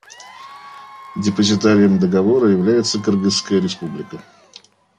Депозитарием Договора является Кыргызская Республика.